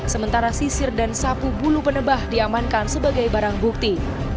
sementara sisir dan sapu bulu penebah diamankan sebagai barang bukti